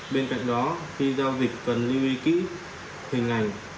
bên cạnh đó khi giao dịch cần lưu ý kỹ hình ảnh giao dịch thành công